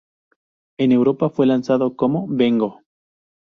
En Europa fue lanzado como ""Vengo!